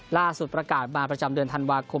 ล่าสุดประกาศมาประจำเดือนธันวาคม